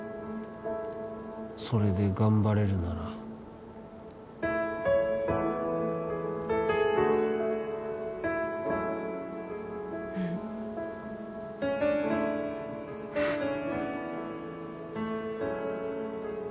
それで頑張れるならうんフッ